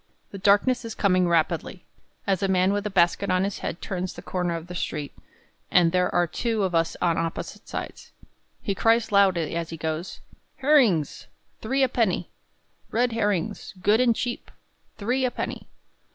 The darkness is coming rapidly, as a man with a basket on his head turns the corner of the street, and there are two of us on opposite sides. He cries loudly as he goes: "Herrings! three a penny! Red herrings, good and cheap, three a penny!"